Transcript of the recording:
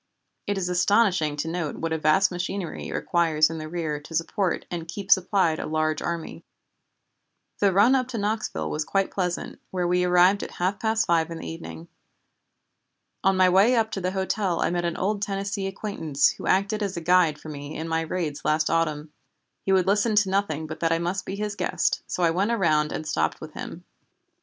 It is astonishing to note what a vast machinery it requires in the rear to support and keep supplied a large army. "The run up to Knoxville was quite pleasant, where we arrived at half past five in the evening. On my way up to the hotel I met an old Tennessee acquaintance who acted as a guide for me in my raids last autumn. He would listen to nothing but that I must be his guest, so I went around and stopped with him.